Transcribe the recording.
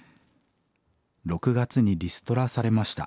「６月にリストラされました。